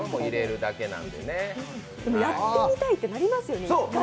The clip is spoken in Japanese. やってみたいって１回はなりますよね。